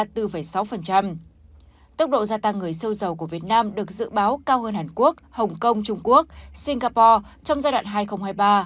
tốc độ gia tăng người siêu giàu của việt nam được dự báo cao hơn hàn quốc hồng kông trung quốc singapore trong giai đoạn hai nghìn hai mươi ba hai nghìn hai mươi tám